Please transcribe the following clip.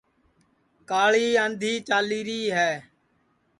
کاݪی آنٚدھی چالی ری ہے